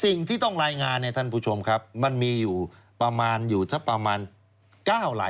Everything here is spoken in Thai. สิ่งที่ต้องลายงานเนี่ยท่านผู้ชมครับมันมีอยู่ประมาณ๙รายการ